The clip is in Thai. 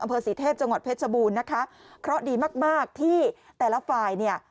อำเภอสีเทพจังหวัดเพชรชบูรณ์นะคะเพราะดีมากที่แต่ละฝ่าย